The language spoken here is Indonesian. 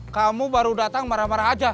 kamu baru datang marah marah aja